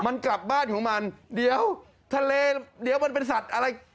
มันกลับบ้านของมันเดี๋ยวทะเลเดี๋ยวมันเป็นสัตว์อะไร